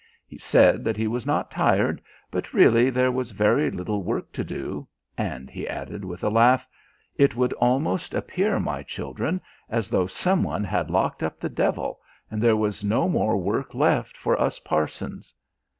He said that he was not tired, but really there was very little work to do and he added, with a laugh: "It would almost appear, my children, as though some one had locked up the devil and there was no more work left for us parsons."